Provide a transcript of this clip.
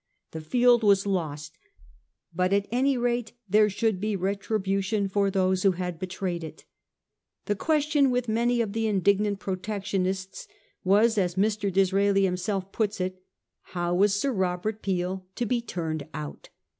The field was lost, but at any rate there should be retribu tion for those who had betrayed it.' The question with many of the indignant Protectionists was, as Mr. Disraeli himself puts it, ' How was Sir Robert 1840 .. FALL OF THE MINISTKY. 411 Peel to be turned out